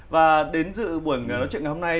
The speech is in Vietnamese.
và đến dự buổi nói chuyện ngày hôm nay